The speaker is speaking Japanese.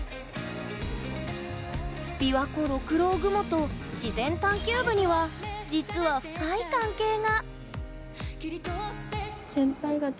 琵琶湖六郎雲と自然探求部には実は深い関係が。